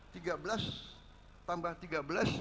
tiga belas tambah tiga belas